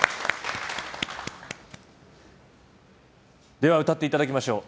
では、歌っていただきましょう。